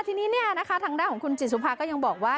ทีนี้ทางด้านของคุณจิตสุภาก็ยังบอกว่า